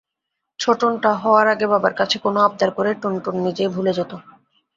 ছোটনটা হওয়ার আগে বাবার কাছে কোনো আবদার করে টুনটুন নিজেই ভুলে যেত।